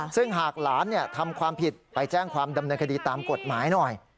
ซึ่งหากหลานทำความผิดไปแจ้งความดำเนินคดีตามกฎหมายหน่อย